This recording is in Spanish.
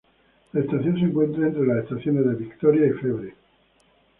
La estación se encuentra entre las estaciones Victoria y Febre.